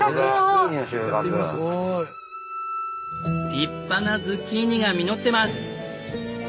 立派なズッキーニが実ってます。